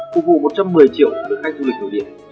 phục vụ một trăm một mươi triệu lượt khách du lịch nổi điện